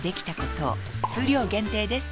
数量限定です